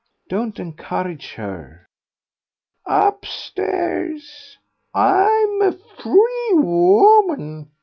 Don't encourage her." "Upstairs? I'm a free woman.